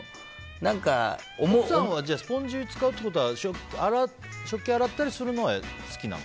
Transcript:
奥さんはスポンジを使うっていうことは食器洗ったりするのは好きなの？